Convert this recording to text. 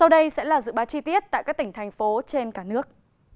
sau đây sẽ là dự báo chi tiết tại các tỉnh thành phố trên cả nước